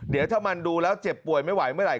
เดี๋ยวถ้ามันดูแล้วเจ็บป่วยไม่ไหวเมื่อไหร